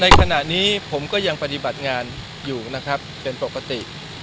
ขณะนี้ผมก็ยังปฏิบัติงานอยู่นะครับเป็นปกติ